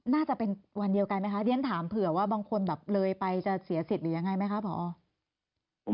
น่าจะเป็นวันเดียวกันไหมคะเรียนถามเผื่อว่าบางคนแบบเลยไปจะเสียสิทธิ์หรือยังไงไหมคะผอ